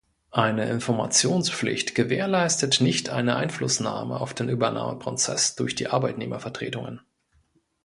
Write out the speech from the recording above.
Eine Informationspflicht gewährleistet nicht eine Einflussnahme auf den Übernahmeprozess durch die Arbeitnehmervertretungen.